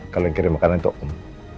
kalau yang kirim makanan itu om